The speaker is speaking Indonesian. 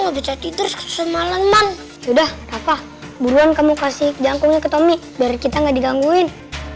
udah tidur semalaman sudah apa buruan kamu kasih jangkau ke tommy berkita nggak digangguin